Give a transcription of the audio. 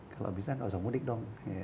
kalau bisa nggak usah mudik dong